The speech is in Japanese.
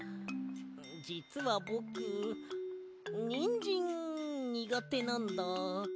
じつはぼくニンジンにがてなんだ。